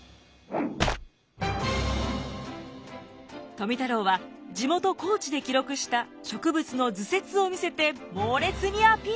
富太郎は地元高知で記録した植物の図説を見せて猛烈にアピール。